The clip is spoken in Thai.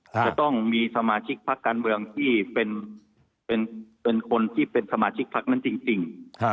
จะต้องมีสมาชิกพักการเมืองที่เป็นคนที่เป็นสมาชิกพักนั้นจริง